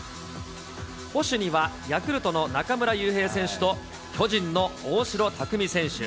捕手にはヤクルトの中村悠平選手と、巨人の大城卓三選手。